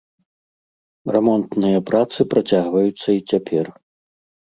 Рамонтныя працы працягваюцца й цяпер.